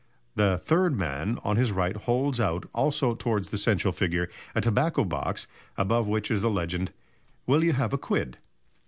The third man, on the right, holds out, also towards the central figure, a tobacco box, above which is the legend "Will you have a quid."